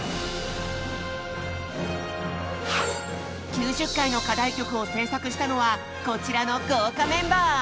９０回の課題曲を制作したのはこちらの豪華メンバー。